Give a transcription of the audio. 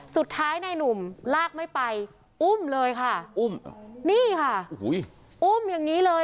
สุดท้ายนายหนุ่มลากไม่ไปอุ้มเลยค่ะอุ้มนี่ค่ะโอ้โหอุ้มอย่างนี้เลย